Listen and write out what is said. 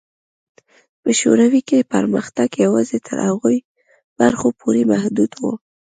په شوروي کې پرمختګ یوازې تر هغو برخو پورې محدود و.